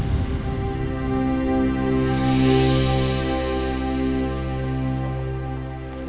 biar posisi aku sama jerry aman